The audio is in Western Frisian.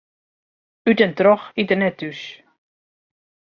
Ut en troch iet er net thús.